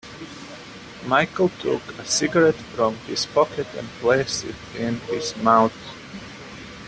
Michael took a cigarette from his pocket and placed it in his mouth.